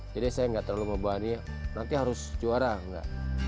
jadi saya nggak terlalu membahani nanti harus juara